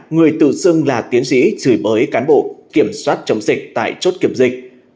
người tự xưng là tiến sĩ chửi bới cán bộ kiểm soát chống dịch tại chốt kiểm dịch